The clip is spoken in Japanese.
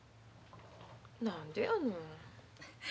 何でやの？